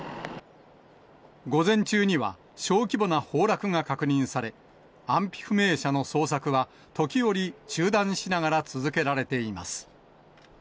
午前中には、小規模な崩落が確認され、安否不明者の捜索は時折、中断しながら続けられています。